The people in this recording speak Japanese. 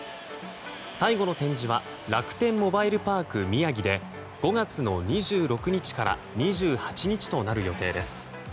最後の展示は楽天モバイルパーク宮城で５月の２６日から２８日となる予定です。